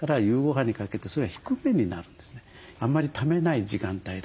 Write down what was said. あんまりためない時間帯だよと。